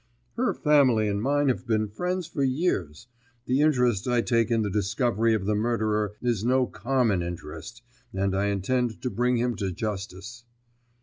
"Her family and mine have been friends for years. The interest I take in the discovery of the murderer is no common interest, and I intend to bring him to justice."